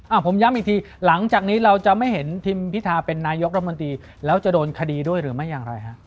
ผมย้ำอีกทีหลังจากนี้เราจะไม่เห็นทิมพิธาเป็นนายกรัฐมนตรีแล้วจะโดนคดีด้วยหรือไม่อย่างไรฮะ